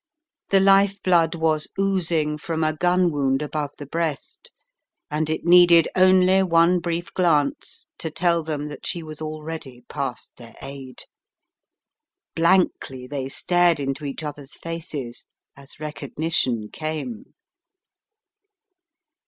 The life blood was oozing from a gun wound above the breast and it needed only one brief glance to tell them that she was already past their aid! Blankly they stared into each other's faces as recognition came.